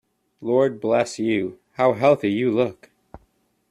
Lord bless you, how healthy you look!